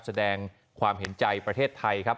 แสดงความเห็นใจประเทศไทยครับ